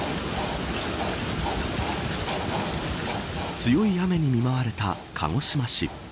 強い雨に見舞われた鹿児島市。